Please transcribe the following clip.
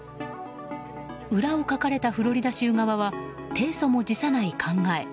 裏をかかれたフロリダ州側は提訴も辞さない考え。